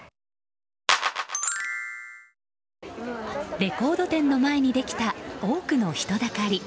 レコード店の前にできた多くの人だかり。